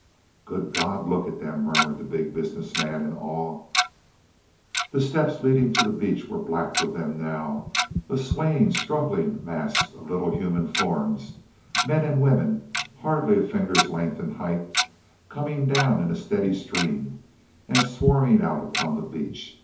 "Good God, look at them," murmured the Big Business Man in awe. The steps leading to the beach were black with them now a swaying, struggling mass of little human forms, men and women, hardly a finger's length in height, coming down in a steady stream and swarming out upon the beach.